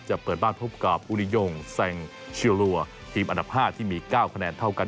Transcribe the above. เปิดบ้านพบกับอุริยงแซงเชียลัวทีมอันดับ๕ที่มี๙คะแนนเท่ากัน